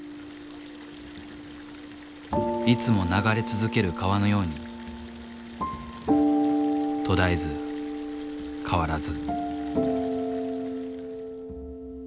いつも流れ続ける川のように途絶えず変わらず。